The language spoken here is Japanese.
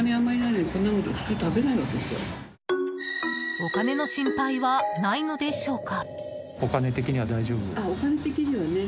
お金の心配はないのでしょうか。